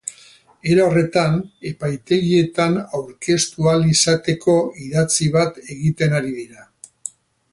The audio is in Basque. Era horretan, epaitegietan aurkeztu ahal izateko idatzi bat egiten ari dira.